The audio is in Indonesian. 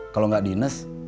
kalau gak di nes